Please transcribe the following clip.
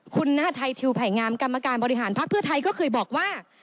คุณหน้าไทยทิวไผ่งามกรรมการบริหารพักเพื่อไทยก็เคยบอกว่า